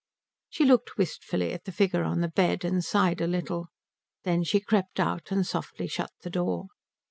She looked wistfully at the figure on the bed, and sighed a little. Then she crept out, and softly shut the door.